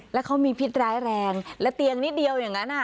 แล้วเขามีพิษร้ายแรงและเตียงนิดเดียวอย่างนั้น